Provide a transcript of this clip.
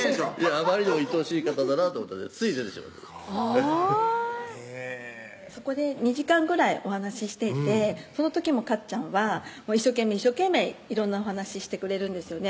あまりにもいとおしい方だなぁと思ったらつい出てしまってはぁそこで２時間ぐらいお話しててその時もかっちゃんは一生懸命色んなお話してくれるんですよね